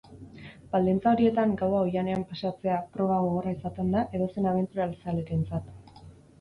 Baldintza horietan gaua oihanean pasatzea proba gogorra izaten da edozein abenturazalerentzat.